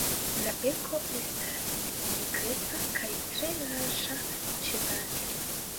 La beko estas nigreca kaj tre larĝa ĉebaze.